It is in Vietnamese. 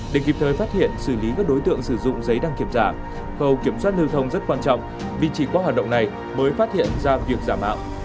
để kịp thời phát hiện xử lý các đối tượng sử dụng giấy đăng kiểm giả khâu kiểm soát lưu thông rất quan trọng vì chỉ có hoạt động này mới phát hiện ra việc giả mạo